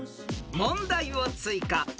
［問題を追加］